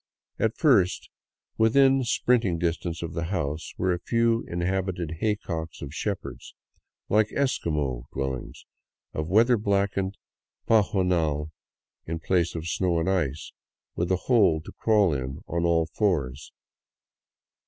At first, within sprinting distance of the house, were a few inhabited haycocks of shepherds, like Esquimaux dwellings of weather blackened pajonal In place of snow and ice, with a hole to crawl in at on all fours.